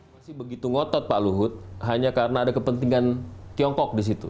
masih begitu ngotot pak luhut hanya karena ada kepentingan tiongkok disitu